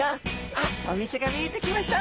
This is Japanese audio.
あっお店が見えてきました！